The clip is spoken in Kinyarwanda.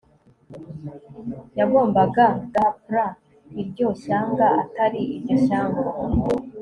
yagombaga gup ra iryo shyanga atari iryo shyanga